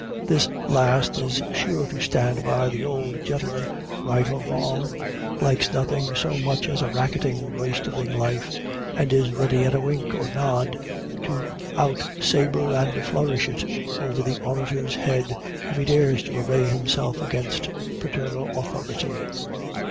This last is sure to stand by the old gentleman, right or wrong; likes nothing so much as a racketing, roystering life; and is ready at a wink or nod, to out saber, and flourish it over the orator's head, if he dares to array himself against paternal authority.